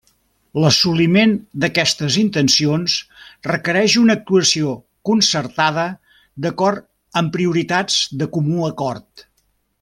L'assoliment d'aquestes intencions requereix una actuació concertada d'acord amb prioritats de comú acord.